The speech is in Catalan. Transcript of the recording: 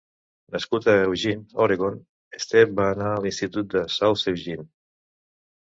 Nascut a Eugene, Oregon, Stepp va anar a l'institut de South Eugene.